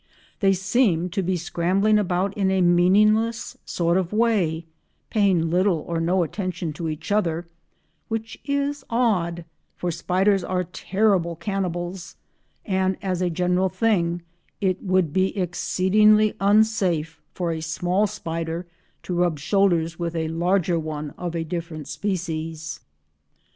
They seem to be scrambling about in a meaningless sort of way, paying little or no attention to each other—which is odd, for spiders are terrible cannibals, and as a general thing it would be exceedingly unsafe for a small spider to rub shoulders with a larger one of a different species.